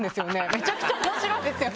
めちゃくちゃ面白いですよね。